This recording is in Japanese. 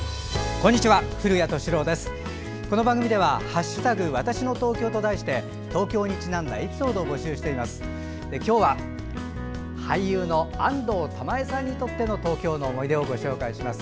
この番組では「＃わたしの東京」と題して東京にちなんだエピソードを募集しています。